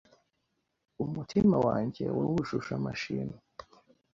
umutima wanjye wawujuje amashimwe